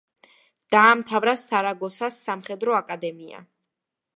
დაამთავრა სარაგოსას სამხედრო აკადემია.